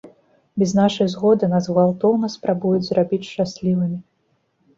Без нашай згоды нас гвалтоўна спрабуюць зрабіць шчаслівымі.